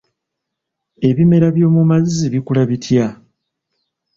Ebimera by'omu mazzi bikula bitya?